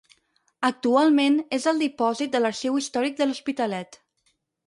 Actualment és el dipòsit de l'Arxiu Històric de l'Hospitalet.